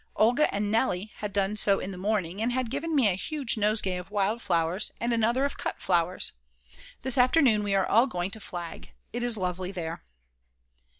Olga and Nelly had done so in the morning, and had given me a huge nosegay of wild flowers and another of cut flowers. This afternoon we are all going to Flagg; it is lovely there.